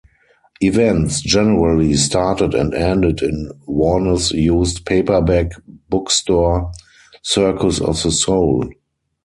Events generally started and ended in Warne's used paperback bookstore, "Circus of the Soul".